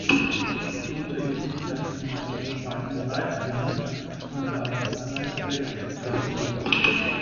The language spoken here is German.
Unter ihm zeigte die Mannschaft schwankende Leistungen, konnte aber zwei Mal die Playoffs erreichen.